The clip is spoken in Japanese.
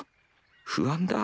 不安だ。